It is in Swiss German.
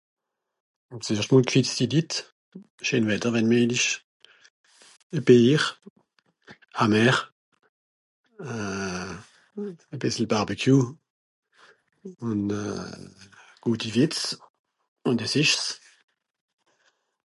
(...) gfetzti Litt, scheen Wetter wenn méjlich, e Bier, amer, e bissel barbecue ùn... guti Wìtz, ùn des ìsch's.